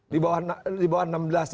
di bawah enam belas di bawah lima belas